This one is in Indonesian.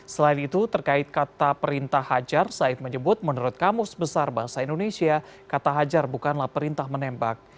selain itu terkait kata perintah hajar said menyebut menurut kamus besar bahasa indonesia kata hajar bukanlah perintah menembak